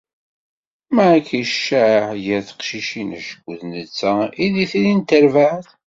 Mike icaε gar teqcicin acku d netta i d itri n terbaεt.